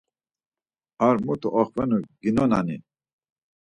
Ar mutu oxvenu ginonani?